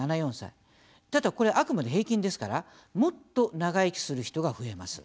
ただ、これあくまで平均ですからもっと長生きする人が増えます。